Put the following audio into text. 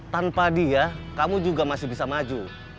tanpa dia kamu juga masih bisa maju